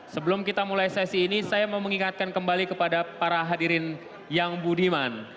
sebelum kita mulai sesi ini saya mau mengingatkan kembali kepada para hadirin yang budiman